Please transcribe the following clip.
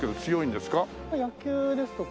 野球ですとか。